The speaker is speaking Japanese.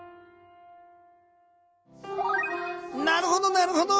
なるほどなるほど。